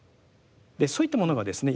そういったものがですね